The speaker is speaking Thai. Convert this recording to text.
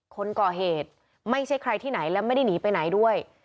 คนก่อเหตุไม่ใช่ใครที่ไหนและไม่ได้หนีไปไหนด้วย